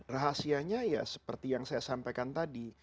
rahasianya ya seperti yang saya sampaikan tadi